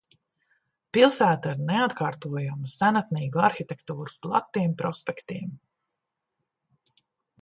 Pilsēta ar neatkārtojamu senatnīgu arhitektūru, platiem prospektiem.